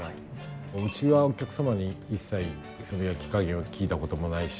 うちはお客様に一切焼き加減を聞いたこともないし。